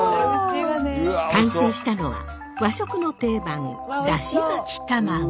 完成したのは和食の定番だし巻卵！